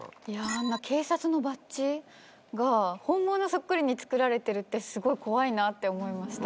あんな警察のバッジが本物そっくりに作られてるってすごい怖いなって思いました。